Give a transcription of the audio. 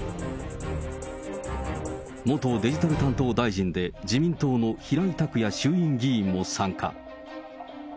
元デジタル担当大臣で、自民党の平井卓也衆議院議員も参加。